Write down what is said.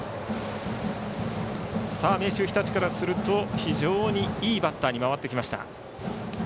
明秀日立からすると非常にいいバッターに回ってきました。